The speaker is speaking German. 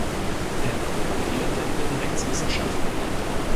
Er promovierte in den Rechtswissenschaften.